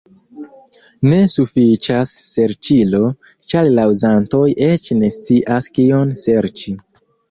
Ne sufiĉas serĉilo, ĉar la uzantoj eĉ ne scias kion serĉi.